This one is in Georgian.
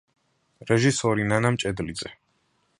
რეჟისორი ნანა მჭედლიძე.